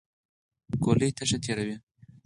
ګولۍ تشه تېره شوه.